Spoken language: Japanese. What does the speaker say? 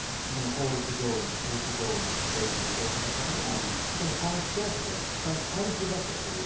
公立病院、私立病院政治家、行政の方がちゃんと顔を突き合わせてちゃんと顔見知りだったという。